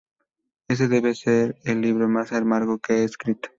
Ese debe ser el libro, más amargo que he escrito.